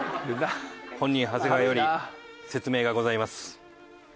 本人長谷川より説明がございます。